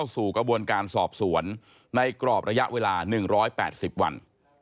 สู่กระบวนการสอบสวนในกรอบระยะเวลา๑๘๐วัน